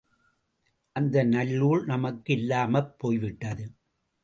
அந்த நல்லூழ் நமக்கு இல்லாமப் போய்விட்டது.